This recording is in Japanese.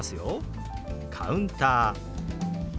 「カウンター」。